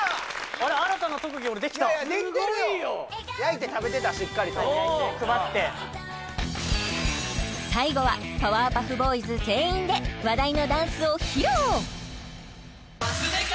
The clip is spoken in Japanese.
あら新たな特技俺できたいやできてるよ焼いて配って最後はパワーパフボーイズ全員で話題のダンスを披露！